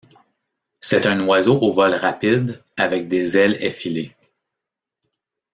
C'est un oiseau au vol rapide avec des ailes effilées.